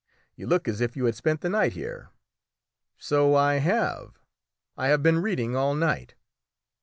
You look as if you had spent the night here." "So I have; I have been reading all night."